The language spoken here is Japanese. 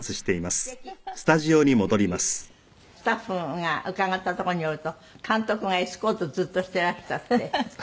スタッフが伺ったところによると監督がエスコートずっとしてらしたって。